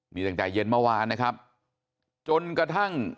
นี่ตั้งแต่เย็นเมื่อวานนะครับจนกระทั่ง